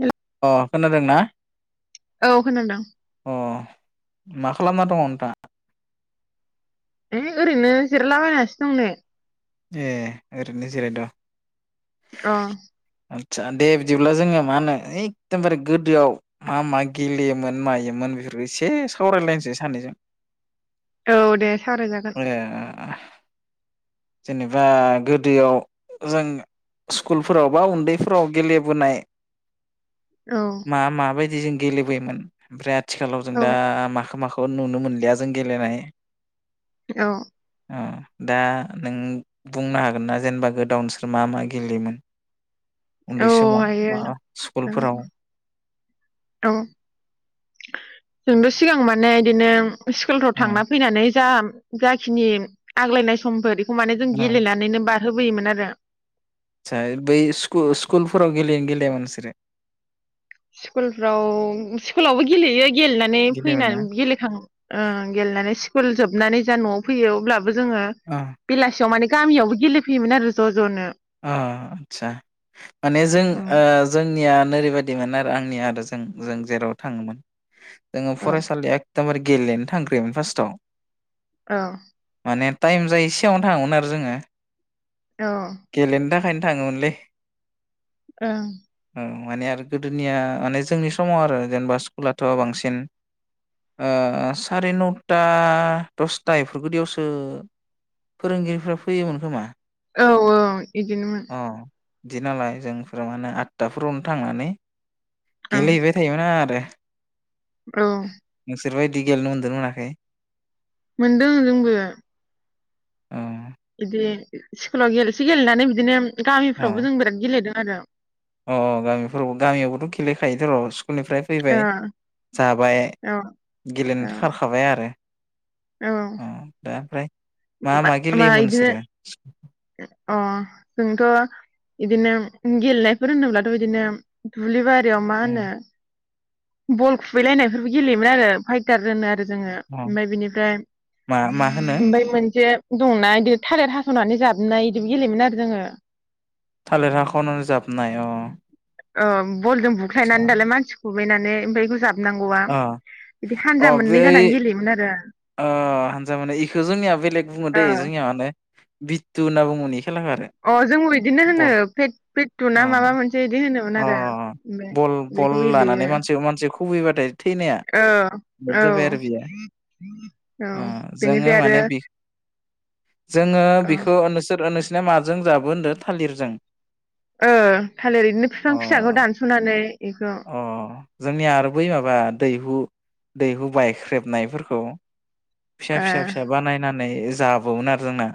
हेल' अ खोनादों ना औ खोनादोंं मा खालामना दङ नोंथांङा होइ ओरैनो जिरलाबायनासो दंनो ए ओरैनो जिराद' अ आदसा दे बिदिब्ला जोङो मा होनो एखदम बारे गोदोआव मा मा गेलेयोमोन मायोमोन बेफोरखौ एसे सावरायलायसै सानैजों औ दे सावरायजागोन ओ जेनेबा गोदोयाव जों स्कुलफोराव बा उन्दैफोराव गेलेबोनाय औ मा माबाय बिदि जों गेलेबोयोमोन बिराद आथिखालाव जों औ दा माखो माखो थ' नुनो मोनलिया जों गेलेनाय औ अ दा नों बुंनो हागोन ना जेनेबा गोदोयाव नोंसोर मा मा गेलेयोमोन उन्दै औ समाव हायो बा औ स्कुलफोराव औ जोंथ' सिगां माने बिदिनो स्कुलफ्राव उम थांना फैनानै जा जाखिनि आग्लायनाय समफोर खौ माने जों उम गेलेनानैनो बास होबोयोमोन आरो आदसा बै स्कुलफोराव गेलेयो ना गेलेयामोन नोंसोरो स्कुलफ्राव स्कुलावबो गेलेयो गेलेनानै गेलेयोमोन ना फैनानै गेलेखां गेलेनानै सि स्कुल जोबनानै जा न'आव फैयो अब्ला जोङो अ बेलासियाव माने गामियावबो गेलेफैयोमोन आरो ज' ज'नो अ आदसा माने जों औ ओ जोंनिया नोरैबायदिमोन आरो आंनि आरो जों जों जेराव थाङोमोन जोङो औ फरायसालिया एगदमबारे गेलेनो थांग्रोयोमोन फार्स्टआव औ माने टाइम जायो सिगाङावनो थाङोमोन आरो जोङो औ गेलेनो थाखाय थाङोमोनलै ओं औ माने आरो गोदोनिया माने जोंनि समाव आरो जेनेबा स्कुलाथ' बांसिन ओ साराय नथा दसथा बेफोरबायदियावसो फोरोंगिरिफ्रा फैयोमोन खोमा औ औ बिदिनोमोन अ बिदि नालाय जोंफोरा माने आठथाफोरावनो थांनानै ओं गेलेहैबाय थायोमोना आरो औ बिसोरबायदि गेलेनो मोनदों ना मोनाखै मोनदों जोंबो अ बिदि स्कुलाव गेलसि गेलनानै बिदिनो अ गामिफ्रावबो जों बिराद गेलेदों आरो अ गामिफोरावबो गामियावबोथ' गेलेखायोथ' स्कुलनिफ्राय फैबाय जाबाय ओ गेलेनो औ खारखाबाय आरो औ अ दा ओमफ्राय मा मा गेलेयोमोन बिदिनो नोंसोरो अ जोंथ' इदिनो गेलेनायफोर होनोब्लाथ' बिदिनो दुब्लि बारि याव मा उम होनो बल खुबैलायनायफोरबो गेलेयोमोन आरो फाइटार होनो आरो जोङो अ ओमफ्राय बिनिफ्राय मा मा होनो ओमफ्राय मोनसे दंना बिदि थालिर हास'नानै जाबनाय बिदि गेलेयोमोन आरो जोङो थालिर हाखावना जाबनाय अ ओ बलजों बुख्लायनानै दालाय मानसिखौ [unintelligible] जोबनांगौआ अ बिदि अ हानजा बै मोननै जानानै गेलेयोमोन आरो अ हानजा माने इखौ जोंनिया बेलेग बुङो दैे जोंनिया माने बित्यु होनना बुङोमोन खेलाखौ आरो अ जोंबो बिदिनो बल होनोे फेट फेटटु ना अ माबा मोनसे बिदि होनोमोन अ आरो बल बल बेखौ लानानै गेलेयो मानसि मानसि खुबैबाथाय थैनाया औ लेट औ जाबाय आरो बियो औ ओ जोङो बेनिफ्राय आरो माने बे जोङो ओ बिखौ नोंसोर अ नों नोंसिना माजों जाबो होनदो थालिरजों ओ थालिर ओरैनो बिफां फिसाखौ अ दानस'नानै इखौ अ जोंनिया आरो बै माबा दैहु दैहु बायख्रेबनायफोर औ फिसा फिसा फिसा ओ बानायनानै जाबावोमोन आरो जोंना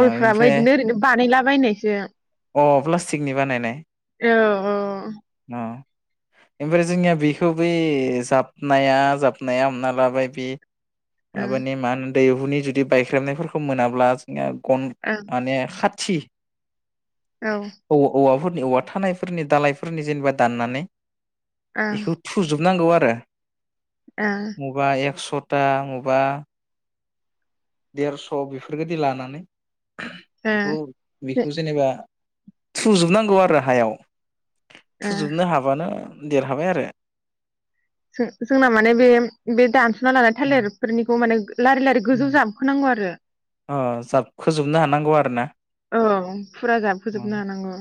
ओ ओमफ्राय बिदिनो ओरैनो बानायलाबायनायसो अ प्लास्टिकनि बानायनाय औ औ अ ओमफ्राय जोंनिया बेखौ बे जाबनाया जाब नाया हमना लाबाय बि ओं माबानि मान दैहुनि जुदि बायख्रेबनायफोरखौ मोनाब्ला जोंना कन औ माने खात थि ओं औ औवाफोर नि औवा थानायफोरनि दालायफोरनि जेनेबा दाननानै ओं बेखौ थुजोबनांगौ आ [unintelligible] मुगा एकस' था मबा देरस' बेफोरबायदि लानानै बेखौ ओ बेखौ जेनेबा थुजोबनांगौ आरो हायाव थुजोबनो हाबानो देरहाबाय आरो थों जोंना माने बे बे दान्स' सुना लानाय थालिरफोरनिखौ माने लारि लारि गोजौ जाबखोनांगौ आरो अ जाबखोजोबनो हानांगौ आरो ना औ फुरा जाबखोजोबनो अ हानांगौ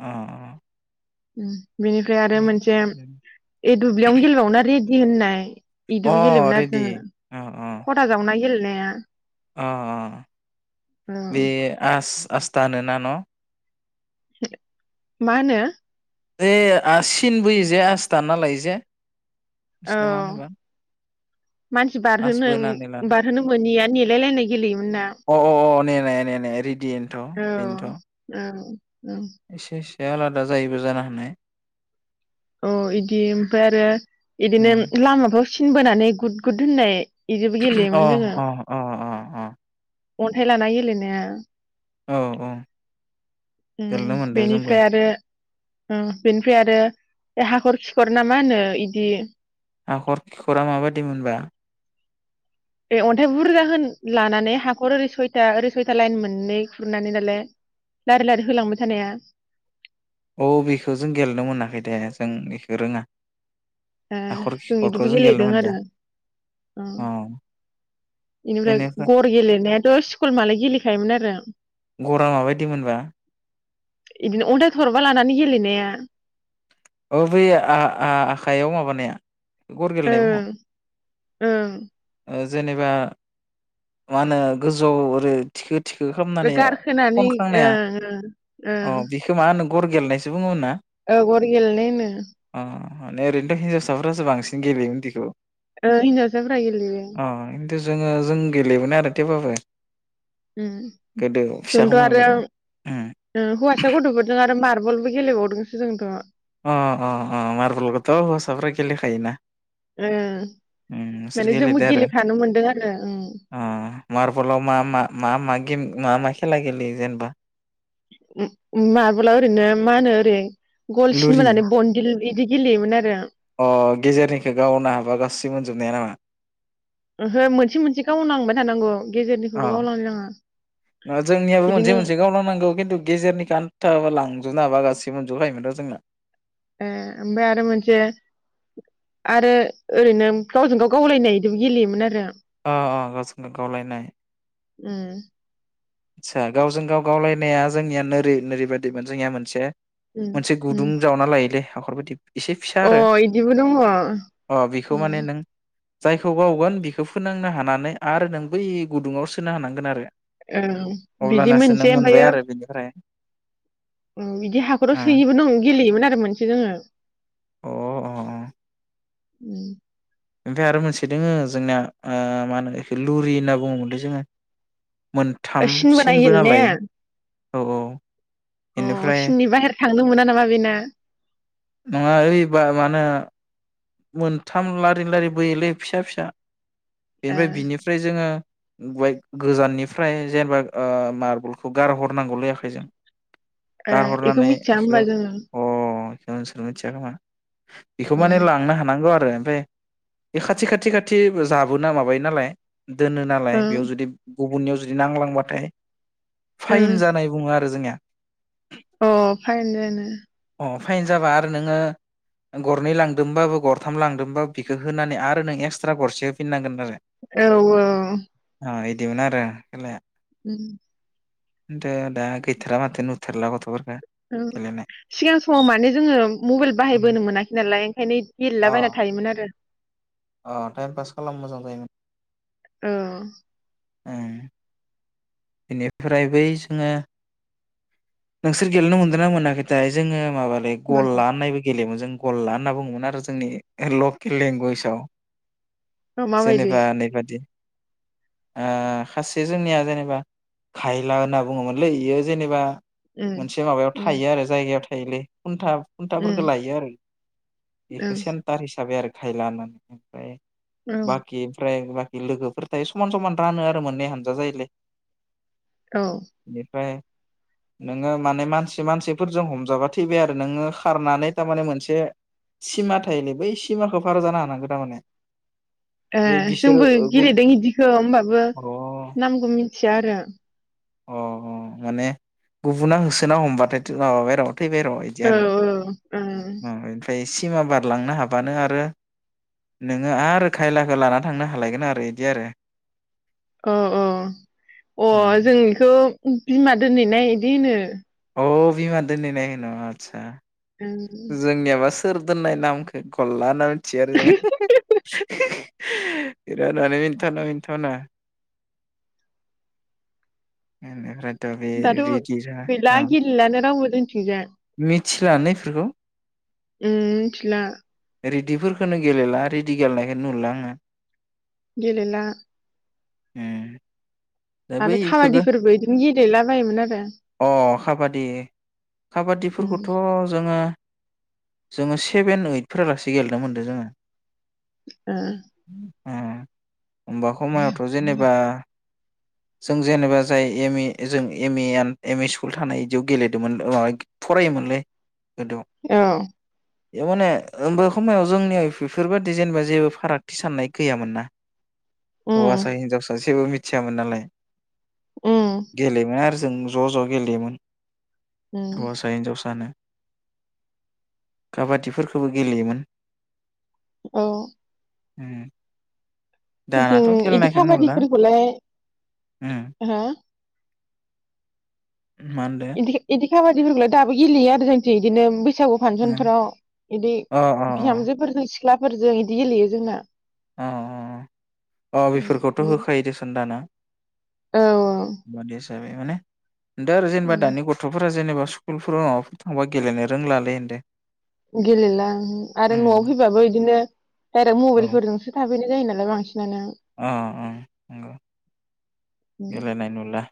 अ उम बिनिफ्राय आरो मोनसे ए दुब्लियावनो गेलेबावोना रेद दि होननाय बिदिबो अ गेलेयोमोन आरो रेडि जोङो अ खथा जावना गेले नाया अ बे आस आस्था होनो ना न मा होनो दे आसिन बोयो जे आस दानना लायो जे औ बिसोना मा होनोबा मानसि बारहोनो आसबो होननानै लानो बारहोनो मोनोैया नेलायलायनाय गेलेयोमोन ना अ अ ने ने ने ने रेडियनोथ' औ बेनोथ' औ औ एसे एसे बे आलादा जायोबो जानो हानाय अ इदि ओमफ्राय आरो बिदिनो उम। लामाफ्राव थिनबोनानै गुद गुद होननाय इदिबो अ गेलेयोमोन जोङो अ अ अ अ अन्थाइ लानाया गेलेनाया औ औ उम गेलेनो मोनदो जोंबो बेनिफ्राय आरो ओ बेनिफ्राय आरो हाखर खिखर ना मा होनो बिदि हाखर खिखरा माबायदि मोनबा ए अन्थाइ बुरजा होन लानानै हाखर ओरै सयथा ओरै सयथा लाइन मोननै खुरनानै नालाय लारि लारि होलांबाय थानाया औ बेखौ जों गेलेनो मोनाखै दे जों बेखौ रोङा ए हाखर जों खिखरखौ बिदिबो गेलेनो गेलेदों आरो मोनदिया अ अ बेनिफ्राय गर गेलेनायाथ' स्कुल मालाय गेलेखायोमोन आरो गरा माबायदि मोनबा बिदिनो अन्थाइ थरबा लानानै गेलेनाया औ बै आ-आ-आखायाव माबानाया गर गेलेनाय बुङो ओं ओं ओ जेनेबा मा होनो गोजौ ओरै थिकेट गारहोनानै ओ ओ अ बेखौ मा होनो गर गेलेनायसो बुङो ना ओ गर गेलनाय होनो अ माने ओरैनोथ' हिन्जावसाफोरासो बांसिन गेलेयोमोन बिदिखौ ओं हिनजावफोरा गेलेयो खिन्थु जोङो जोंङो जों गेलेयोमोन आरो थेवबाबो उम गोदो फिसा जोंथ' खमायाव आरो गेलेयोमोन उम हौवासा गथ'फोरजों आरो मारबल फुटबलबो गेलेबावदोंसो जोंथ' अ अ अ मार्बलखौथ' हौवासाफ्रा गेलेखायोना ओं उम बिसोर माने जोंबो गेलेदो आरो गेलेफानो मोनदों आरो उम अ मार्बलाव मा मा मा मा गेम मा मा खेला गेलेयो जेनेबा मार्बल ओरैनो मा होनो ओरै लुरि गलसिनबनानै बनदि बिदि गेलेयोमोन आरो अ गेजेरनिखौ गावनो हाबा गाससिबो मोनजोबनाया नामा ओहो मोनसे मोनसे गावलांबाय थानांगौ अ गेजेरनिखौल' गावलांनो नाङा ओ जोंनियाबो इदि मोनसे नों मोनसे गावल नांगौ खिन्थु गेजेरनि आन्थाबाला लांजोब नाबा गाससिबो मोनजोबखायोमोन र जोंना ए ओमफ्राय आरो मोनसे आरो ओरैनो गावजों गाव गावलायनायदि गेलेयोमोन आरो अ अ गावजोंनो गावलायनाय उम आतसा गावजों गाव गावलायनाया जोंनिया नोरै नोरै बायदिमोन जोंनिया मोनसे उम मोनसे उम गुदुं जावना लायोलै हाखर बायदि एसे फिसा अ आरो इदिबो दङ अ बेखौ माने नों जायखौ बावगोन बेखौ फोनांनो हानानै आरो नों बै गुदुङाव सोनो हानांगोन आरो औ बिदि अब्लानासो नों मोनसेै मोनबाय ओमफायो आरो बेनिफ्राय ओ बिदि हाखराव अ सोयो बो नों दं गेलेयोमोन आरो मोनसे जोङो अ उम ओमफाय आरो मोनसे दोङो जोंनाया ओ मा होनो एखो लुरि होनना बुङोम मोनलै जोङो ओ मोनथाम सिन बोनाय सिनबो गेलेनाया नालाय औ औ अ बेनिफ्राय सिननि बाहेर थांनो मोना नामा बेना नङा ओइ बा मा होनो मोनथाम लारि लारि बोयोलै फिसा फिसा ए बेनिफ्राय बिनिफ्राय जोङो गंआइ गोजाननिफ्राय जेनेबा ओ मार्बलखौ गारहरनांगौ लै आखायजों ए इखौ गारहरनानै मिथिया होमबा बेखौ जोङो अ बेखौ नोंसोर मिथिया खोमा बेखौ माने ओं ला नांगौ आरो ओमफ्राय बे खाथि खाथि खाथि जाबोना माबायो नालाय दोनो नालाय ओं बेयाव जुदि गुबुननियाव जुदि नांलांबाथाय फाइन ओं जानाय बुङो आरो जोंनिया [inaudible] अ फाइन जानो अ फाइन जाबा आरो नोङो गरनै लां दोंबाबो गरथाम लांदोंबाबो बिखौ होनानै आरो नों एक्सट्रा गरसे होफिननांगोन आरो औ औ अ इदिमोन आरो खेलाया उम थो दा गैथारा माथो नुथारला गथ'फोर ओ सिगां समाव माने जोङो मबाइल बाहायबोनो मोनाखै नालाय ओंखायनो गेलेला बायना अ थायोमोन आरो [unintelligible] अ टाइम पास खालाम मोजां जायो मोन औ ओं बेनिफ्राय बै जोङो नोंसोर गेलेनो मोनदोंना मोनाखै थाय जोङो माबालै माखौ गल्ला होननायबो गेलेयो जों गलला होनना बुङोमोन आरो जोंनि लकेल लेंगुवेजाव औ माबायदि जेनेबा नेैबादि ओ खासे जोंनिया जेनेबा खायला होनना बुङोमोनलै इयो जेनेबा उम मोनसे माबायाव उम थायो आरो जायगायाव थायोलै खुन्था खुन्थाफोरखौ लायो आरो बेखौ उम सेन्टार हिसाबै आरो फाइ लानानै ओमफ्राय ओं बाखि ओमफ्राय लोगोफोर थायो समान समान रानो आरो मोननै हानजा जायोलै औ बेनिफ्राय नोङो माने मानसि मानसिफोरजों हमजाबा थैबाय आरो नोङो खारनानै थारमाने मोनसे सिमा थायोलै बै सिमाखौ फार जानो हानांगौ थारमाने ए बे बिसोरो जोंबो अ गेलेदों इदिखो होमबाबो नामख मिथिया आरो। अ अ माने गुबुना होसोना हमबाथाय'थ माबाबाय र' फैबायर' इदि औ आरो औ ओ इनफ्राय सिमा बारलांनो हाबानो आरो नोङो आरो खायलाखो लानानानै थांनो हालायगोन आरो इदि आरो। अ अ अ जोंनिखौ बिमा दोनहैनाय दिनो। अ बिमा दोनहैनाय होनो आत्सा ओं जोंनियाबास सोर दोननाय नामखौ गलला होनना थि आरोजों [unintelligible] बिराद माने मिन्थावना मिन्थावना [unintelligible] दाथ रेदिरा गैला औ गेलेलानो रावबो। जोंथिंजा मिथिलानो एफोरखौ उम मिथिला। रेडिफोरखोनो गेलेला रिडि गेलेनायखोनो नुला आङो। गेलेला उम दा आरो बैफोरखौ खाबादिफोरबो गदिनो गेलेला बायोमोन आरो। खाबादि खाबादि फोरखौथ' जोङो जोङो सेभेन ओइट फोरलासे गेलेनो मोन्दों जोङो। उम [inaudible] आ होमबा खमायावथ' जेनेबा जों जेनेबा जाय एम ए जों एम ए आन एम ए स्कुल थानाय इदियाव गेलेदोंमोन आ फरायोमोनलै। औ एवमाने होनबा समायाव जोंनियाव इबेफोरबायादि जेनेबा जेबो फारागथि साननाय गैयामोन ना हवासा उम हिनजावसा जेबो मिथ यामोन नालाय। उम गेलेयोमोन आरोज जों ज' ज' गेलेयोमोन। उम हौवासा हिनजावसानो। काबादिफोरखोबो गेलेयोमोन। औ हम बिदि इदि खाबादिफोरखौलाय उम हा मा होनदो इदि इदि खाबादिफोरखौलाय दाबो गेलेयो आरो जोंनिथिं बिदिनो बैसागु उम फांसनफोराव बिदि अ अ बिहामजोफोर सिख्लाफोरजों इदि गेलेयो जोंना अ अ अ उम बेफोरखौथ' इदि होखायो दोसन दाना औ औ जाबाय माने जेनेबा उम दानि गथ'फोरा जेनेबा स्कुलफोराव माबाफोर थांबा गेलेनो रोंलालै होनदों गेलेला आरो न'आव फैबाबो बिदिनो डाइरेक्ट औ मबलफोरजोंसो थाफैयो बिनो जायो नालाय बांसिन अ औ नंगौ उम गेलेनाय नुला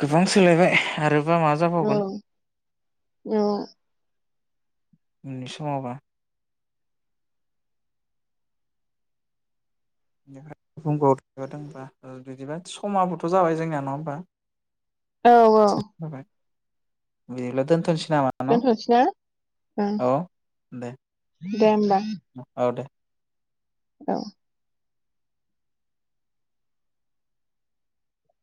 गोबां सोलायबाय आरो औ औ उननि समावबा [unintelligible] बिदिबा समाबोथ' जाबाय जोंनिया नङा होमबा औ औ जाबाय बिदिब्ला दोनथसै दोनथ'नोसै ना ओं औ दे दे होमबा औ दे औ